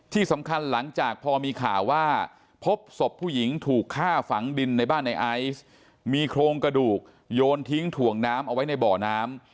ที่สำคัญหลังจากพอมีข่าวว่าพบศพผู้หญิงถูกฆ่าฝังดินในบ้านในไอซ์มีโครงกระดูกโยนทิ้งถ่วงน้ำเอาไว้ในบ่อน้ำ